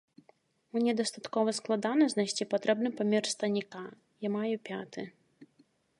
Мне дастаткова складана знайсці патрэбны памер станіка, я маю пяты.